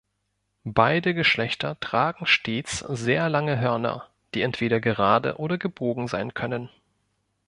Beide Geschlechter tragen stets sehr lange Hörner, die entweder gerade oder gebogen sein können.